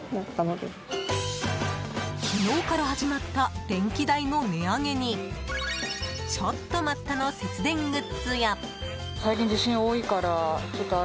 昨日から始まった電気代の値上げにちょっと待ったの節電グッズや。